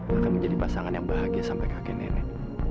akan menjadi pasangan yang bahagia sampai kakek nenek ini